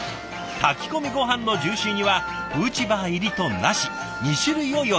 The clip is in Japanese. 炊き込みごはんのジューシーにはフーチバー入りとなし２種類を用意。